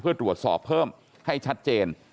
เพื่อตรวจสอบเพิ่มให้ชัดเจน